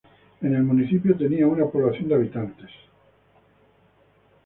En el municipio tenía una población de habitantes.